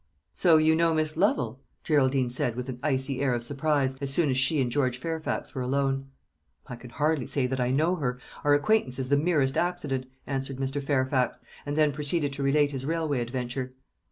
"So you know Miss Lovel?" Geraldine said, with an icy air of surprise, as soon as she and George Fairfax were alone. "I can hardly say that I know her; our acquaintance is the merest accident," answered Mr. Fairfax; and then proceeded to relate his railway adventure.